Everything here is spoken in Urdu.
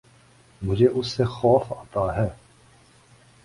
مجھے اس سے خوف آتا ہے